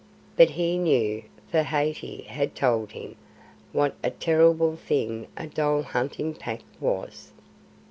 But he knew, for Hathi had told him, what a terrible thing a dhole hunting pack was.